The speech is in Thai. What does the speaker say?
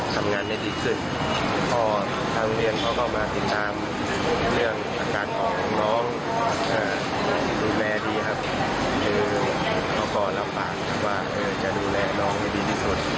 ทางเนื่องอาการห่องของน้องดูแลดีค่ะเกาะก่อหลับผ่านว่าจะดูแลน้องได้ดีที่สุด